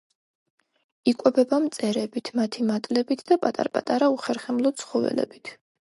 იკვებება მწერებით, მათი მატლებით და პატარ-პატარა უხერხემლო ცხოველებით.